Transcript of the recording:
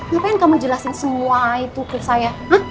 ngapain kamu jelasin semua itu tweet saya